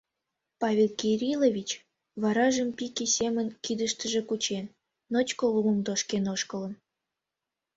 Павел Кириллович, варажым пике семын кидыштыже кучен, ночко лумым тошкен ошкылын.